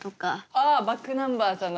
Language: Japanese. ああｂａｃｋｎｕｍｂｅｒさんの。